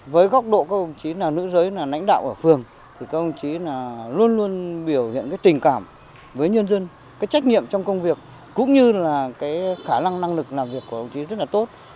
với góc độ các ông chí là nữ giới là lãnh đạo ở phường thì các ông chí là luôn luôn biểu hiện cái tình cảm với nhân dân cái trách nhiệm trong công việc cũng như là cái khả năng năng lực làm việc của ông chí rất là tốt